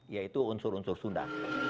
yaitu unsur unsur sunda